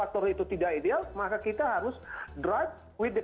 kondisi di manusianya kondisi kesehatan